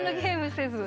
せず。